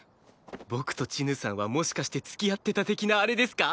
僕とちぬさんはもしかして付き合ってた的なあれですか？